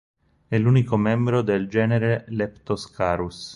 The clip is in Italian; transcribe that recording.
È l'unico membro del genere Leptoscarus.